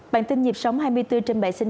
bản tin nhịp sống hai mươi bốn trên bệ sinh